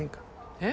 えっ？